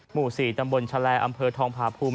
หมู่๔ตำบลชะแลอำเภอทองผาภูมิ